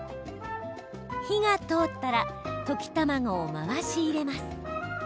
火が通ったら溶き卵を回し入れます。